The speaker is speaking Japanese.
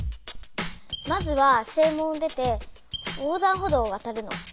まずは正門を出て横断歩道をわたるの。